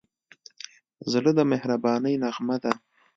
زړه د مهربانۍ نغمه ده.